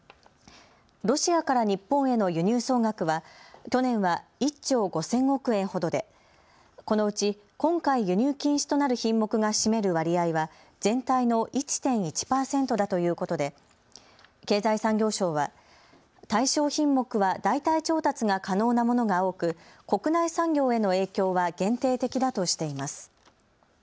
ロシアから日本への輸入総額は去年は１兆５０００億円ほどでこのうち今回、輸入禁止となる品目が占める割合は全体の１．１％だということで経済産業省は対象品目は代替調達が可能なものが多く国内産業への影響は限定的だとしています。